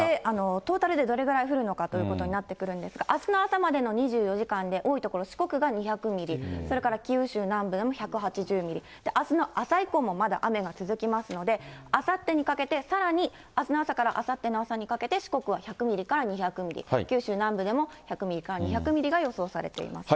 トータルでどれぐらい降るのかということになってくるんですが、あすの朝までの２４時間で、多い所、四国が２００ミリ、それから九州南部でも１８０ミリ、あすの朝以降もまだ雨が続きますので、あさってにかけて、さらにあすの朝からあさっての朝にかけて、四国は１００ミリから２００ミリ、九州南部でも１００ミリから２００ミリが予想されています。